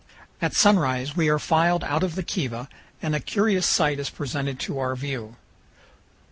At sunrise we are filed out of the kiva, and a curious sight is presented to our view.